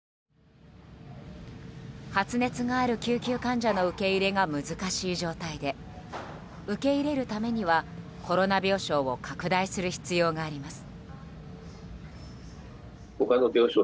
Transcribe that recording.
発熱がある救急患者の受け入れが難しい状態で受け入れるためにはコロナ病床を拡大する必要があります。